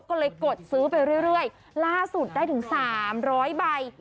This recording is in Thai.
ก็เลยกดซื้อไปเรื่อยล่าสุดได้ถึง๓๐๐ใบ